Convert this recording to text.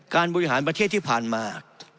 บริหารประเทศที่ผ่านมา